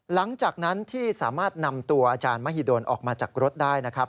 หลังจากนั้นที่สามารถนำตัวอาจารย์มหิดลออกมาจากรถได้นะครับ